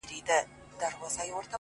• چي په کال کي یې هر څه پیسې گټلې,